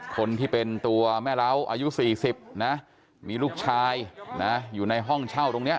คนที่เป็นตัวแม่เล้าอายุ๔๐นะมีลูกชายนะอยู่ในห้องเช่าตรงนี้